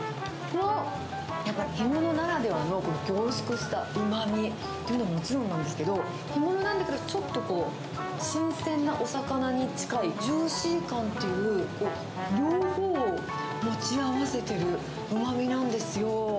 やっぱ干物ならではの凝縮したうまみというのはもちろんなんですけど、干物なんだから、ちょっと新鮮なお魚に近いジューシー感という両方を持ち合わせてるうまみなんですよ。